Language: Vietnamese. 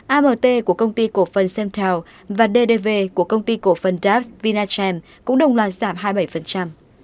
amt của công ty cổ phần semtel và ddv của công ty cổ phần dapps vinachem cũng đồng loạt giảm hai mươi bảy